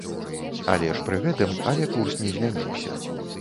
Але ж пры гэтым але курс не змяніўся.